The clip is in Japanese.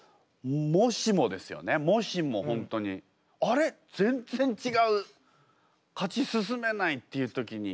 もしもですよねもしも本当に「あれ？全然ちがう。勝ち進めない」っていう時に。